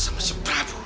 sama si prabu